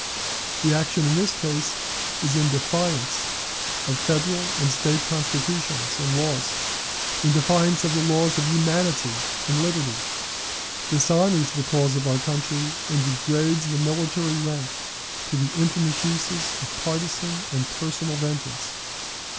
The action in this case is in defiance of Federal and State Constitutions and laws, in defiance of the laws of humanity and liberty, dishonors the cause of our country, and degrades the military rank to the infamous uses of partisan and personal vengeance.